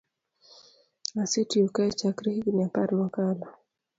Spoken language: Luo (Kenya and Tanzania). Asetiyo kae chakre higni apar mokalo